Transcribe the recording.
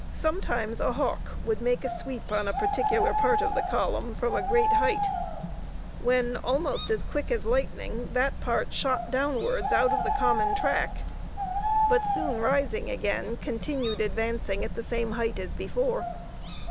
Sometimes a hawk would make a sweep on a particular part of the column from a great height, when, almost as quick as lightning, that part shot downwards out of the common track, but soon rising again, continued advancing at the same height as before.